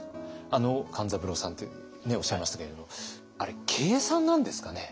あの勘三郎さんっておっしゃいましたけれどもあれ計算なんですかね？